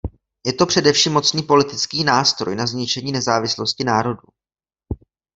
Je to především mocný politický nástroj na zničení nezávislosti národů.